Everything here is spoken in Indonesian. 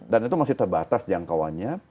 dan itu masih terbatas jangkauannya